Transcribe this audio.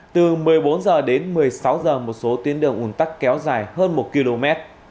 từ một mươi bốn h đến một mươi sáu h một số tuyến đường ủn tắc kéo dài hơn một km